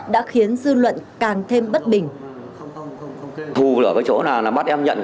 đã khiến dư luận